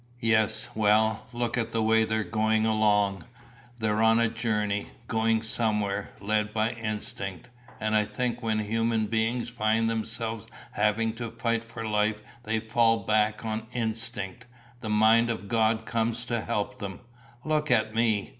"Yes, well, look at the way they are going along, they are on a journey, going somewhere, led by instinct, and I think when human beings find themselves having to fight for life they fall back on instinct, the mind of God comes to help them. Look at me.